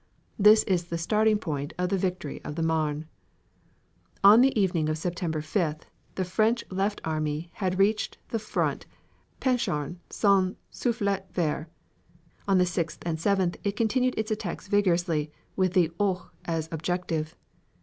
This is the starting point of the victory of the Marne. On the evening of September 5th the French left army had reached the front Penchard Saint Souflet Ver. On the 6th and 7th it continued its attacks vigorously with the Ourcq as objective.